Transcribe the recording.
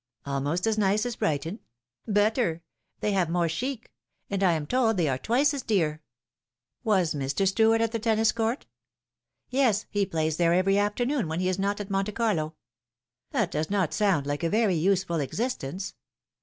" Almost as nice as Brighton V" " Better. They have more chic ; and I am told they are twice as dear." " Was Mr. Stuart at the tennis court ?" "Yes, he plays there every afternoon when he is not at Monte Carlo." " That does not sound like a very useful existence."